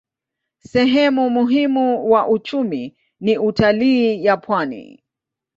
Sehemu muhimu wa uchumi ni utalii ya pwani.